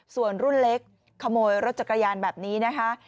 ส่วนรุ่นเล็กขโมยรถจักรยานแบบนี้นะคะ